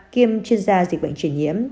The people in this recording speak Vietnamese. kiêm chuyên gia dịch bệnh truyền nhiễm